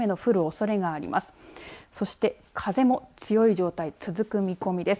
そして風も強い状態、続く見込みです。